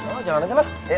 oh jalan aja lah